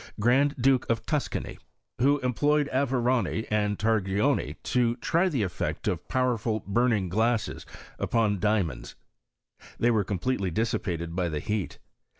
Grand Duke of Tuscany, who employed ATerani and Tar gioni to try the effect of powerful buming giasses upon diamonds. They were completely dissipated by the heat.